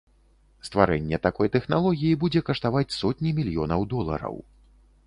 Стварэнне такой тэхналогіі будзе каштаваць сотні мільёнаў долараў.